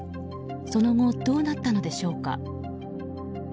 その後、どうなったのでしょうか。